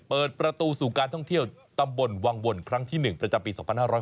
เปิดประตูสู่การท่องเที่ยวตำบลวังวลครั้งที่๑ประจำปี๒๕๖๒